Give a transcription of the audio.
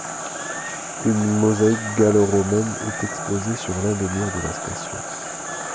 Une mosaïque gallo-romaine est exposée sur l'un des murs de la station.